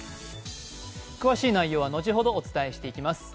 詳しい内容は後ほどお伝えしていきます。